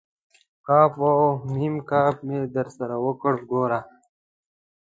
ک و م ک مې درسره وکړ، ګوره!